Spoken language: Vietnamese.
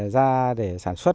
ra để sản xuất